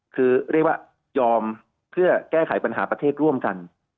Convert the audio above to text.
คือเรียกว่ายอมเพื่อแก้ไขปัญหาประเทศร่วมกัน